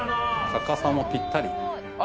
高さもぴったり。